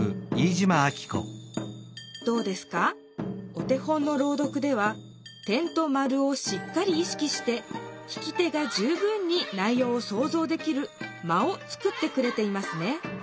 お手本の朗読では点と丸をしっかりいしきして聞き手が十分に内ようを想像できる「間」を作ってくれていますね。